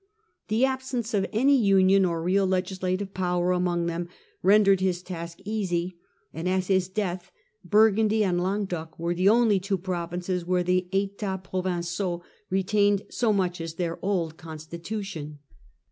The absence of any union or real legislative power among them rendered his task easy, and at his death Burgundy and Languedoc were the only two provinces where the Etats Provinciaux retained so much as their old constitution.